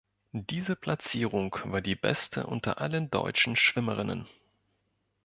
Diese Platzierung war die beste unter allen deutschen Schwimmerinnen.